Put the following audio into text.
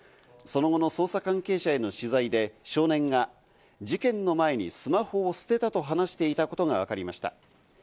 その後の捜査関係者への取材で少年が事件の前にスマホを捨てたと話していたことがわかりました。